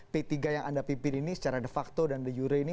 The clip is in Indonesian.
p tiga yang anda pimpin ini secara de facto dan de jure ini